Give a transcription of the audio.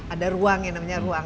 ada ruang yang namanya